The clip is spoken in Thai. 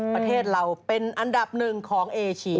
ประเทศเราเป็นอันดับหนึ่งของเอเชีย